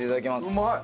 うまい。